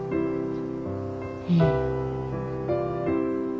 うん。